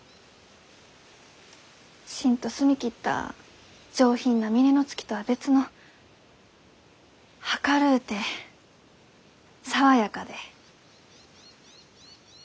シンと澄み切った上品な峰乃月とは別の明るうて爽やかで青空みたいな酒！